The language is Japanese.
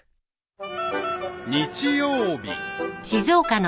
［日曜日］